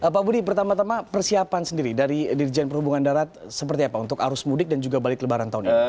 pak budi pertama tama persiapan sendiri dari dirjen perhubungan darat seperti apa untuk arus mudik dan juga balik lebaran tahun ini